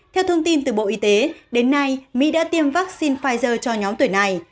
theo thông tin từ bộ y tế đến nay mỹ đã tiêm vaccine pfizer cho nhóm tuổi này